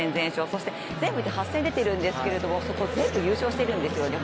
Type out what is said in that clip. そして、全部で８戦出てるんですけどそこ、全部優勝しているんですよね